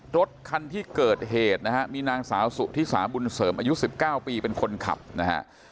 รถคันที่เกิดเหตุนะฮะมีนางสาวสุธิสาบุญเสริมอายุ๑๙ปีเป็นคนขับนะฮะ